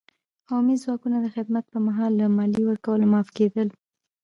قومي ځواکونه د خدمت په مهال له مالیې ورکولو معاف کېدل.